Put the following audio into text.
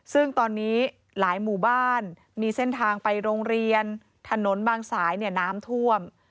ซึ่งตอนนี้หลายหมู่บ้านมีเส้นทางไปโรงเรียนถนนบางสายน้ำท่วม